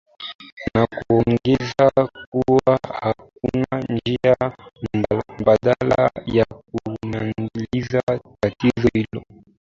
na kuongeza kuwa hakuna njia mbadala ya kumaliza tatizo hilo